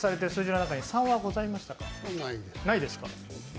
ないです。